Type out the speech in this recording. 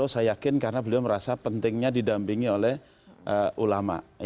saya yakin karena beliau merasa pentingnya didampingi oleh ulama